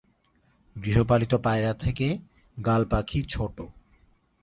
গৃহপালিত পায়রা থেকে গাল পাখি ছোট।